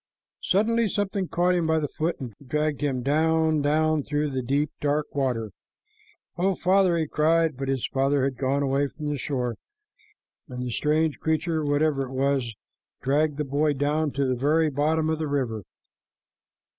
Suddenly something caught him by the foot and dragged him down, down, through the deep, dark water. "Oh, father!" he cried, but his father had gone away from the shore, and the strange creature, whatever it was, dragged the boy down to the very bottom of the river.